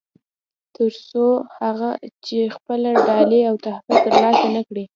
تر څو چې خپله ډالۍ او تحفه ترلاسه نه کړي.